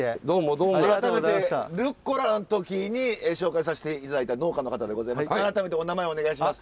改めてルッコラの時に紹介さして頂いた農家の方でございます。